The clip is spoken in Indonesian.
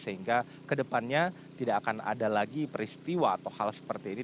sehingga kedepannya tidak akan ada lagi peristiwa atau hal seperti ini